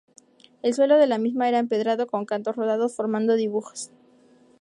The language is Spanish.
El suelo de la misma era empedrado con cantos rodados formando dibujos.